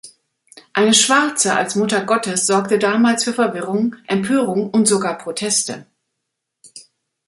Eine Schwarze als Mutter Gottes sorgte damals für Verwirrung, Empörung und sogar Proteste.